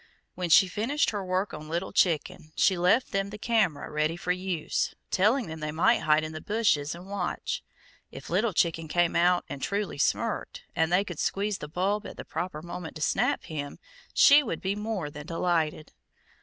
When she finished her work on Little Chicken, she left them the camera ready for use, telling them they might hide in the bushes and watch. If Little Chicken came out and truly smirked, and they could squeeze the bulb at the proper moment to snap him, she would be more than delighted.